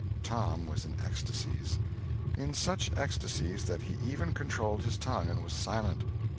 Tom was in ecstasies. In such ecstasies that he even controlled his tongue and was silent.